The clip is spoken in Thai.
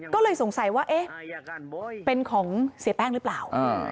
ก็เลยสงสัยว่าเอ๊ะเป็นของเสียแป้งหรือเปล่า